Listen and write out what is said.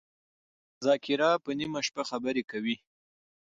ذاکر په نیمه شپه خبری کوی